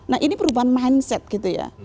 nah ini perubahan mindset gitu ya